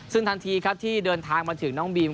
ซึ่งทันทีครับที่เดินทางมาถึงน้องบีม